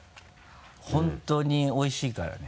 本当においしいからね。